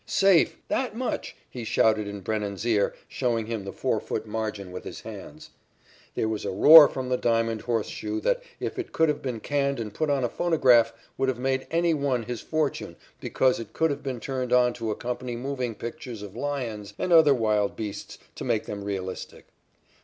"Safe! that much!" he shouted in Brennan's ear, showing him the four foot margin with his hands. There was a roar from the diamond horse shoe that, if it could have been canned and put on a phonograph, would have made any one his fortune because it could have been turned on to accompany moving pictures of lions and other wild beasts to make them realistic.